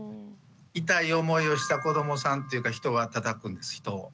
痛い思いをした子どもさんっていうか人はたたくんです人を。